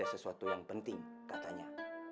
sesuatu yang penting katanya